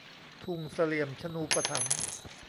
ทุ่งเสลี่ยมชนูปถัมภ์